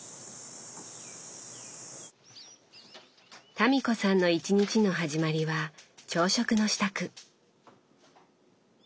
民子さんの１日の始まりは朝食の支度。